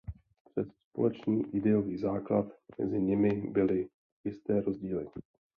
Přes společný ideový základ mezi nimi byly jisté rozdíly.